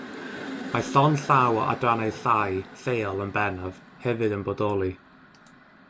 Mae llond llaw o adrannau llai, lleol yn bennaf hefyd yn bodoli.